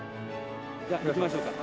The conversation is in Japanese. じゃあ行きましょうか。